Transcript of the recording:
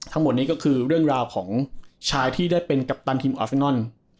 ทั้งหมดนี้ก็คือเรื่องราวของชายที่ได้เป็นกัปตันทีมออฟฟนอน